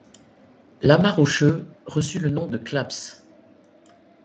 L'amas rocheux reçut le nom de Claps.